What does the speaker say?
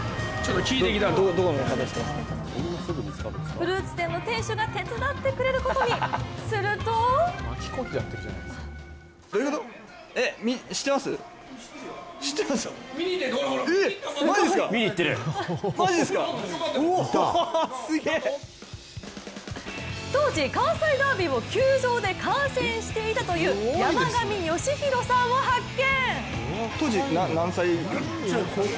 フルーツ店の店主が手伝ってくれることに、すると当時、関西ダービーを球場で観戦していたという山上芳広さんを発見。